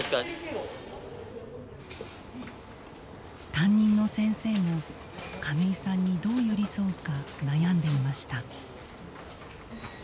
担任の先生も亀井さんにどう寄り添うか悩んでいました。